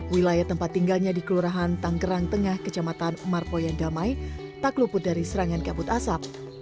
wilayah tempat tinggalnya di kelurahan tanggerang tengah kecamatan marpoyan damai tak luput dari serangan kabut asap